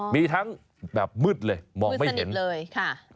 มีทั้งแบบมืดเลยมองไม่เห็นมืดสนิทเลย